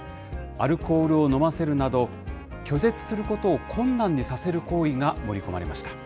アルコールを飲ませるなど、拒絶することを困難にさせる行為が盛り込まれました。